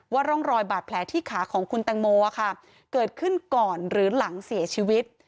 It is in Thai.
ร่องรอยบาดแผลที่ขาของคุณแตงโมเกิดขึ้นก่อนหรือหลังเสียชีวิต